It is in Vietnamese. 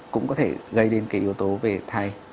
cũng có thể gây đến cái yếu tố về thai